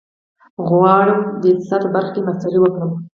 غواړم د اقتصاد په برخه کې ماسټري وکړم.